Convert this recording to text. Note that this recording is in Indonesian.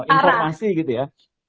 informasi gitu ya